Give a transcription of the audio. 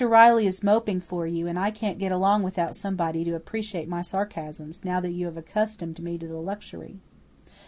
Riley is moping for you, and I can't get along without somebody to appreciate my sarcasms, now that you have accustomed me to the luxury."